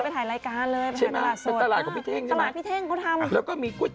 เคยไปถ่ายรายการเลยไปถ่ายตลาดสด